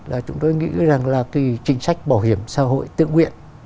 là chúng tôi nghĩ rằng là cái chính sách bảo hiểm xã hội tự nguyện